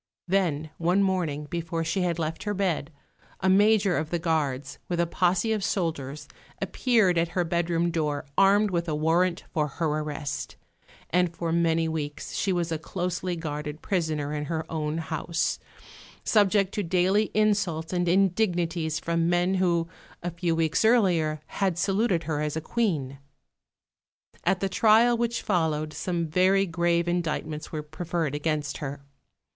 Then one morning, before she had left her bed, a major of the guards, with a posse of soldiers, appeared at her bedroom door armed with a warrant for her arrest; and for many weeks she was a closely guarded prisoner in her own house, subject to daily insults and indignities from men who, a few weeks earlier, had saluted her as a Queen. At the trial which followed some very grave indictments were preferred against her.